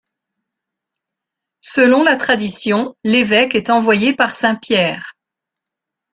Selon la tradition, le évêque est envoyé par saint Pierre.